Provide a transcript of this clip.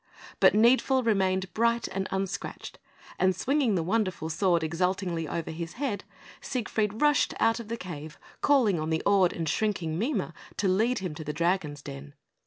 But Needful remained bright and unscratched; and swinging the wonderful sword exultingly over his head Siegfried rushed out of the cave, calling on the awed and shrinking Mime to lead him to the dragon's den.